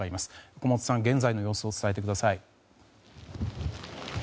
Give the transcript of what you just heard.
岡本さん、現在の様子を伝えてください。